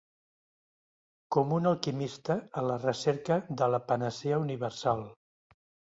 Com un alquimista a la recerca de la panacea universal.